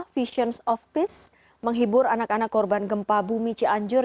visions of peace menghibur anak anak korban gempa bumi cianjur